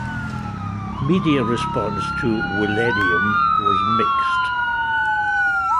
Media response to "Willennium" was mixed.